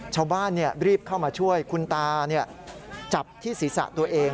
ชาวบ้านรีบเข้ามาช่วยคุณตาจับที่ศีรษะตัวเอง